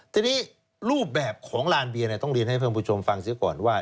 ทีนี้รูปแบบของร้านเบียนี่ต้องเรียนให้เพื่อนผู้ชมฟังซิก่อนว่า